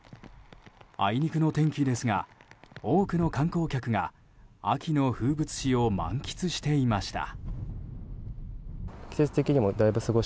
あいにくの天気ですが多くの観光客が秋の風物詩を満喫していました。